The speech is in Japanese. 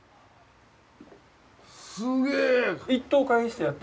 すげえ！